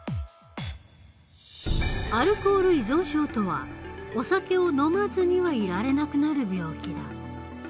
アルコール依存症とはお酒を飲まずにはいられなくなる病気だ。